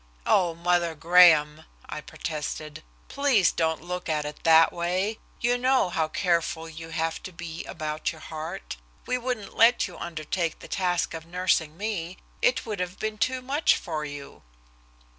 "Oh, Mother Graham," I protested, "please don't look at it that way. You know how careful you have to be about your heart. We couldn't let you undertake the task of nursing me, it would have been too much for you."